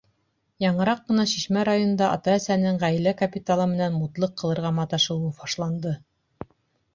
Яңыраҡ ҡына Шишмә районында ата-әсәнең ғаилә капиталы менән мутлыҡ ҡылырға маташыуы фашланды.